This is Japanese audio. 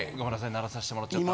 鳴らさしてもらっちゃった。